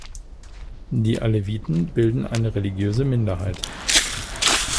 Die Aleviten bilden eine religiöse Minderheit.